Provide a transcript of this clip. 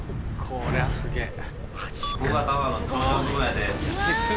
こりゃすげえ。